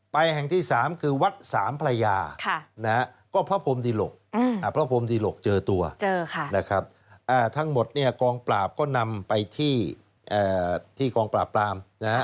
แห่งที่๓คือวัดสามพระยาก็พระพรมดิหลกพระพรมดิหลกเจอตัวนะครับทั้งหมดเนี่ยกองปราบก็นำไปที่กองปราบปราม